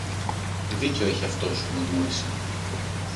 Δίκιο έχει αυτός, μουρμούρισε.